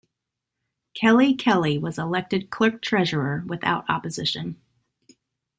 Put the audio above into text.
Kelly Kelly was elected clerk-treasurer without opposition.